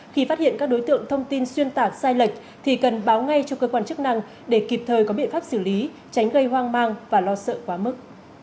khi phát hiện các đối tượng thông tin xuyên tạc sai lệch thì cần báo ngay cho cơ quan chức năng để kịp thời có biện pháp xử lý tránh gây hoang mang và lo sợ quá mức